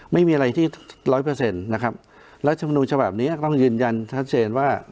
ไม่มีอะไรที่ร้อยเปอร์เซ็นต์นะครับแล้วชนูชอบแบบนี้ต้องยืนยันทันเชนว่า